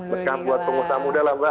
berkah buat pengusaha muda lah mbak